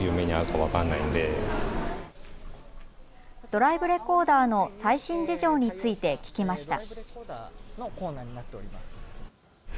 ドライブレコーダーの最新事情について聞きました。